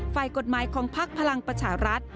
ไฟล์กฎหมายของพักพลังปัชหรัฐ